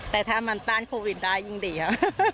แต่ถ้ามันต้านโควิดได้ยิ่งดีค่ะ